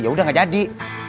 yaudah gak jadi